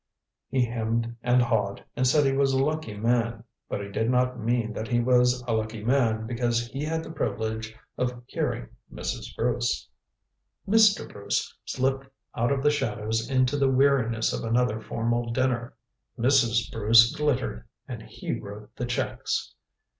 He hemmed and hawed, and said he was a lucky man. But he did not mean that he was a lucky man because he had the privilege of hearing Mrs. Bruce. Mr. Bruce slipped out of the shadows into the weariness of another formal dinner. Mrs. Bruce glittered, and he wrote the checks.